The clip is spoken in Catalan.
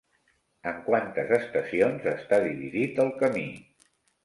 En quantes estacions està dividit el camí?